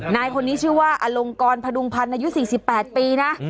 นายคนนี้ชื่อว่าอลงกรพดุงพันธ์อายุ๔๘ปีนะ